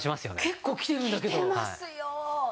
結構きてるんだけど。